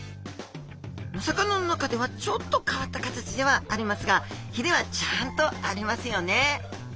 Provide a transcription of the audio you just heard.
お魚の中ではちょっと変わった形ではありますがひれはちゃんとありますよね。